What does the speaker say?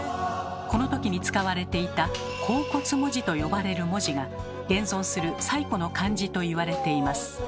この時に使われていた「甲骨文字」と呼ばれる文字が現存する最古の漢字と言われています。